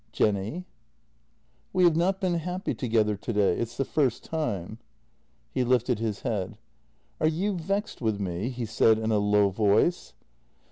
"Jenny?" "We have not been happy together today — it's the first time." He lifted his head: " Are you vexed with me? " he said in a low voice.